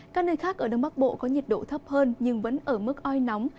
các nơi khác ở đông bắc bộ có nhiệt độ thấp hơn nhưng vẫn ở mức oi nóng